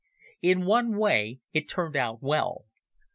In one way it turned out well.